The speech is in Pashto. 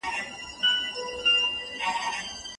د ږدن په پټي کي اتڼ تر بل ځای له ډاره ژر ړنګیږي.